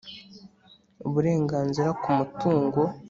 uburenganzira ku mutungo